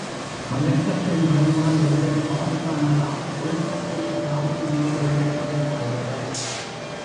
பழக்கத்தின் விளைவால், ஒருவர் பால் காணலாம் ஒழுக்கத்தினைத் தாமும் மேற்கொள்ளும் இயல்புடையவர்.